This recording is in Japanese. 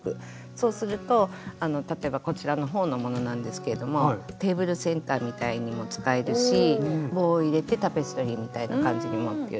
そうすると例えばこちらの方のものなんですけどもテーブルセンターみたいにも使えるし棒を入れてタペストリーみたいな感じにもという。